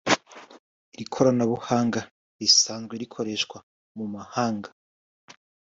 Iri koranabuhanga risanzwe rikoreshwa mu mahanga